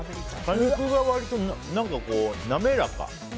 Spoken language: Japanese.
果肉が割となめらか。